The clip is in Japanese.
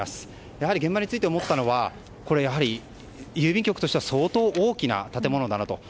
やはり現場に着いて思ったのは郵便局としては相当大きな建物だなと。